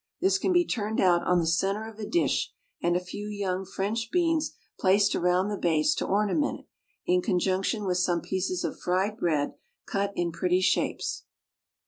This can be turned out on the centre of a dish, and a few young French beans placed round the base to ornament it, in conjunction with some pieces of fried bread cut into pretty shapes.